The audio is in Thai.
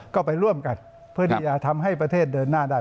ก็ไปร่วมกันเพื่อที่จะทำให้ประเทศเดินหน้าได้